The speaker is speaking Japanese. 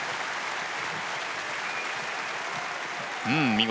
見事。